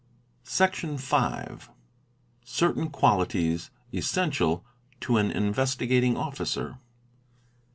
Section v.—Certain Qualities essential to an Investigating Officer.